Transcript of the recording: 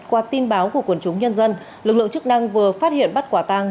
qua tin báo của quần chúng nhân dân lực lượng chức năng vừa phát hiện bắt quả tang